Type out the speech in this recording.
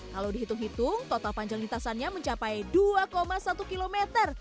kalau dihitung hitung total panjang lintasannya mencapai dua satu km